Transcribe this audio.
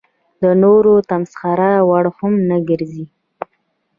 د نورو د تمسخر وړ هم نه ګرځي.